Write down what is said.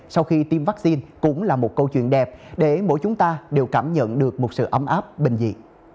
sau khi tiêm vaccine cũng là một câu chuyện đẹp để mỗi chúng ta đều cảm nhận được một sự ấm áp bình dị